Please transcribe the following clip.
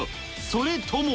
それとも？